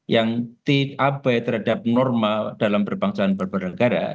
yang tiapai terhadap normal dalam perbangsaan berbagai negara